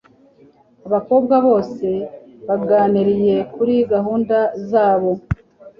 Abakobwa bose baganiriye kuri gahunda zabo